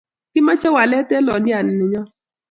kimache walet en Londianinenyon